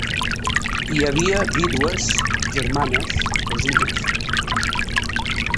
Hi havia vídues, germanes, cosines.